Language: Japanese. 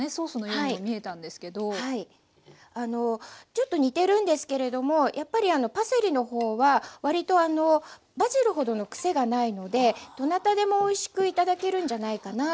ちょっと似てるんですけれどもやっぱりパセリの方は割とバジルほどの癖がないのでどなたでもおいしく頂けるんじゃないかなと思います。